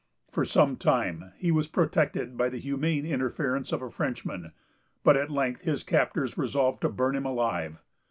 For some time, he was protected by the humane interference of a Frenchman; but at length his captors resolved to burn him alive.